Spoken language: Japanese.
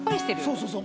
そうそうそう。